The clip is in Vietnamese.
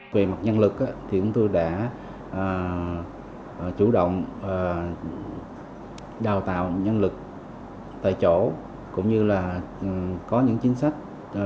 về mặt nhân lực thì chúng tôi đã chủ động đào tạo nhân lực tại chỗ cũng như là có những chính sách